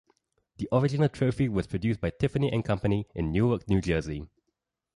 The original trophy was produced by Tiffany and Company in Newark, New Jersey.